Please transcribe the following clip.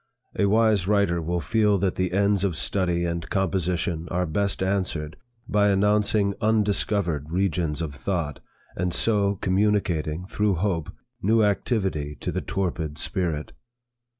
A wise writer will feel that the ends of study and composition are best answered by announcing undiscovered regions of thought, and so communicating, through hope, new activity to the torpid spirit.